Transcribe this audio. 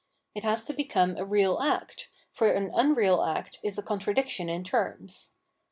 It has to become a real act, for an unreal act is a contradiction in terms.